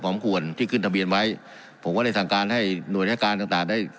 ควรที่ขึ้นทะเบียนไว้ผมก็ได้สั่งการให้หน่วยงานต่างต่างได้